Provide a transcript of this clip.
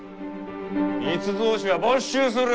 密造酒は没収する。